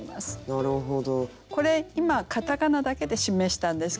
なるほど。